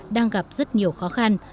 đang gặp rất nhiều khó khăn